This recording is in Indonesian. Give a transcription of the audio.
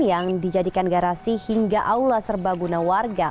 yang dijadikan garasi hingga aula serbaguna warga